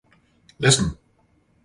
Listen!